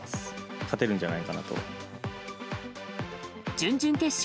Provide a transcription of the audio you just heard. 準々決勝